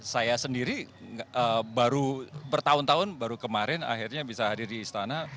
saya sendiri baru bertahun tahun baru kemarin akhirnya bisa hadir di istana